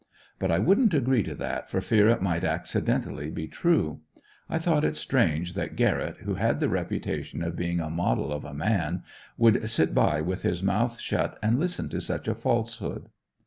But I wouldn't agree to that for fear it might accidently be true. I thought it strange that Garrett, who had the reputation of being a model of a man, would sit by with his mouth shut and listen to such a falsehood.